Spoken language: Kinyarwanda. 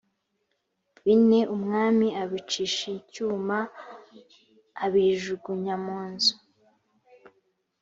bine umwami abicisha icyuma abijugunya munzu